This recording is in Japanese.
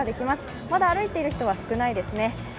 まだ、歩いている人は少ないですね。